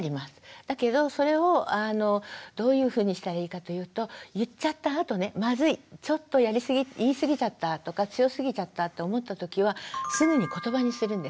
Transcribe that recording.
だけどそれをどういうふうにしたらいいかというと言っちゃったあとねまずいちょっと言いすぎちゃったとか強すぎちゃったと思ったときはすぐにことばにするんです。